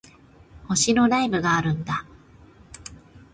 推しのライブがあるんだ